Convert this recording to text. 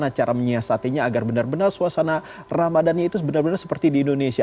bagaimana cara menyiasatinya agar benar benar suasana ramadannya itu benar benar seperti di indonesia